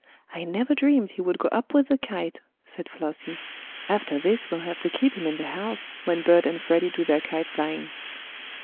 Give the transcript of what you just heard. "I never dreamed he would go up with the kite," said Flossie. "After this we'll have to keep him in the house when Bert and Freddie do their kite flying."